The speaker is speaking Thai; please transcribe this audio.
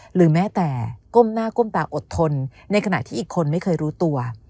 หรือแม้แต่ก้มหน้าก้มตาอดทนในขณะที่อีกคนไม่เคยรู้ตัว